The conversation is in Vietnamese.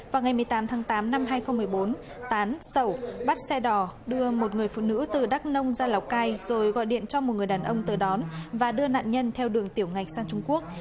vào ngày một mươi tám tháng tám năm hai nghìn một mươi bốn tán sẩu bắt xe đò đưa một người phụ nữ từ đắk nông ra lào cai rồi gọi điện cho một người đàn ông tới đón và đưa nạn nhân theo đường tiểu ngạch sang trung quốc